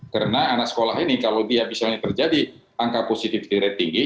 karena anak sekolah ini kalau dia misalnya terjadi angka positif kira kira tinggi